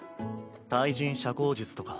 対人社交術とか。